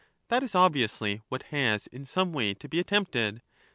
That is obviously what has in some way to be attempted.